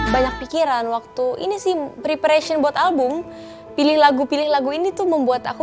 banyak pikiran waktu ini sih preparation buat album pilih lagu pilih lagu ini tuh membuat aku